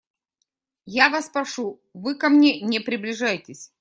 Я вас прошу, вы ко мне не приближайтесь.